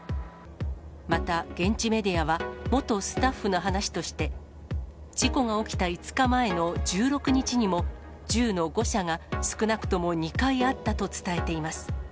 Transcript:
また、現地メディアは元スタッフの話として、事故が起きた５日前の１６日にも、銃の誤射が少なくとも２回あったと伝えています。